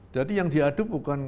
jadi yang diadu bukan